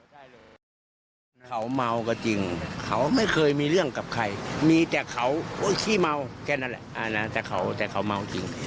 ทุกคนผิดยังไงมีแต่เขาอุ้ยชี้เมาแกนั่นแหละแต่เขาเมาจริง